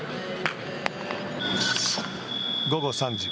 午後３時。